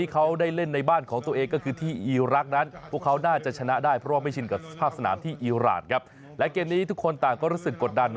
กับสภาพสนานที่อิราตครับและเกมนี้ทุกคนต่างก็รู้สึกกดดัน